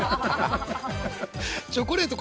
チョコレート